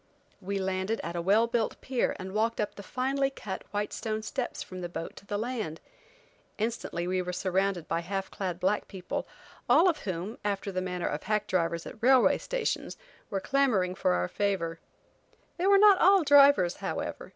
We landed at a well built pier and walked up the finely cut, white stone steps from the boat to the land. Instantly we were surrounded by half clad black people, all of whom, after the manner of hack drivers at railway stations, were clamoring for our favor. They were not all drivers, however.